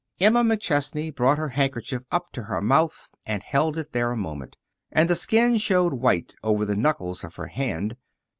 Emma McChesney brought her handkerchief up to her mouth and held it there a moment, and the skin showed white over the knuckles of her hand.